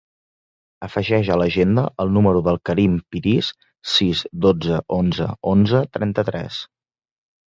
Afegeix a l'agenda el número del Karim Piris: sis, dotze, onze, onze, trenta-tres.